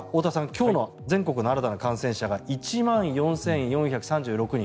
今日の全国の新たな感染者が１万４４３６人。